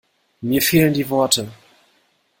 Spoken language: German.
Mir fehlen die Worte.